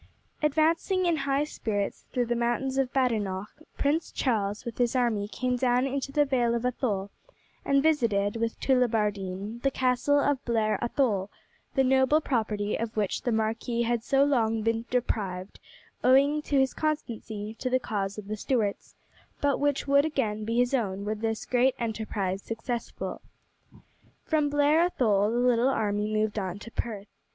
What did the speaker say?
Advancing in high spirits through the mountains of Badenoch, Prince Charles with his army came down into the vale of Athole, and visited, with Tullibardine, the castle of Blair Athole, the noble property of which the marquis had so long been deprived, owing to his constancy to the cause of the Stuarts, but which would again be his own were this great enterprise successful. From Blair Athole the little army moved on to Perth.